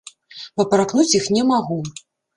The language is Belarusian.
Папракнуць іх не магу.